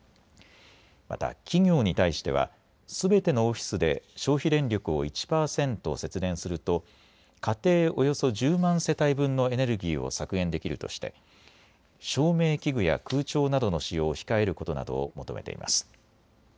また企業に対してはすべてのオフィスで消費電力を１％節電すると家庭およそ１０万世帯分のエネルギーを削減できるとして照明器具や空調などの使用を控えることなどを求めています。